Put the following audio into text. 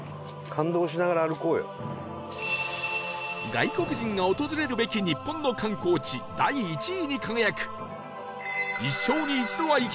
外国人が訪れるべき日本の観光地第１位に輝く